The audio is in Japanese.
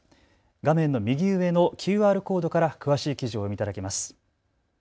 画面の右上のＱＲコードから詳しい記事をお読みいただけます。